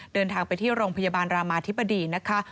เดินทางไปที่โรงพยาบาลรามาธิบดีนะคะ